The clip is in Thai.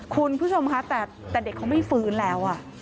คุณผู้ชมคะแต่เด็กเขาไม่ฟื้นแล้ว